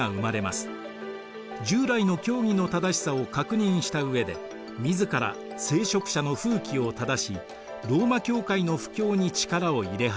従来の教義の正しさを確認した上で自ら聖職者の風紀を正しローマ教会の布教に力を入れ始めます。